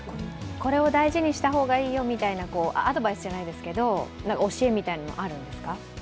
これを大事にしたほうがいいよというようなアドバイスじゃないですけど、教えみたいなのってあるんですか？